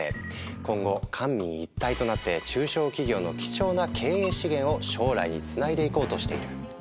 今後官民一体となって中小企業の貴重な経営資源を将来につないでいこうとしている。